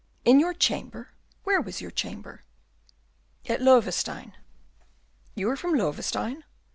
"In your chamber? Where was your chamber?" "At Loewestein." "You are from Loewestein?"